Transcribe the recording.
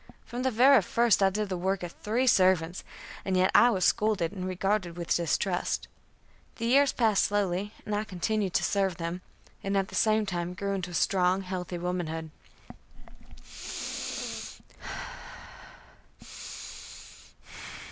From the very first I did the work of three servants, and yet I was scolded and regarded with distrust. The years passed slowly, and I continued to serve them, and at the same time grew into strong, healthy womanhood.